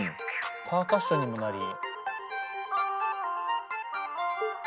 パーカッションにもなり。